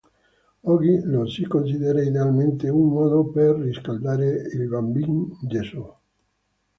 Oggi lo si considera idealmente un modo per riscaldare il Bambin Gesù.